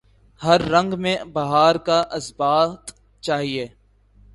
ہر رنگ میں بہار کا اثبات چاہیے